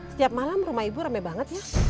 setiap malam rumah ibu rame banget ya